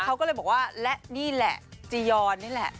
เขาก็เลยบอกว่าเรื่องจียอนนี่แหละ